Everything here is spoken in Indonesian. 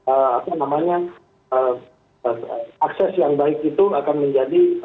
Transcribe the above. apa namanya akses yang baik itu akan menjadi